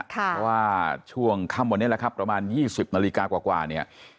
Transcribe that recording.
เพราะว่าช่วงค่ำวันนี้แหละครับประมาณ๒๐นาฬิกากว่าเนี่ย